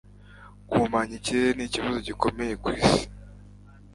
Guhumanya ikirere nikibazo gikomeye kwisi.